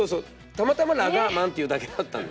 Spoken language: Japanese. たまたまラガーマンっていうだけだったの。